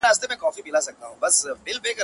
د وخت ناخوالي كاږم.